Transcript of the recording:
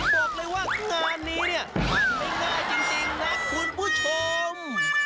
บอกเลยว่างานนี้เนี่ยมันไม่ง่ายจริงนะคุณผู้ชม